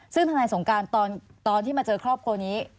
ซึ่งทนายสงการตอนที่มาเจอครอบครัวนี้